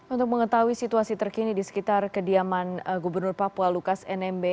untuk mengetahui situasi terkini di sekitar kediaman gubernur papua lukas nmb